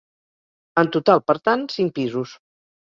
En total, per tant, cinc pisos.